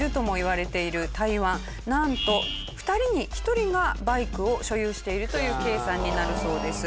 なんと２人に１人がバイクを所有しているという計算になるそうです。